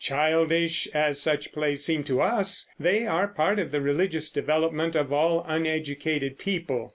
Childish as such plays seem to us, they are part of the religious development of all uneducated people.